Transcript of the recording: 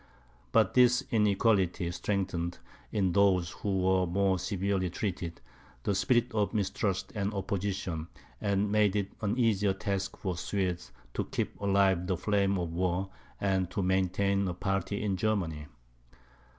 But this inequality strengthened, in those who were more severely treated, the spirit of mistrust and opposition, and made it an easier task for the Swedes to keep alive the flame of war, and to maintain a party in Germany.